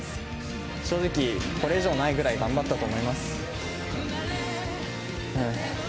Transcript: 正直、これ以上ないぐらい頑張ったと思います。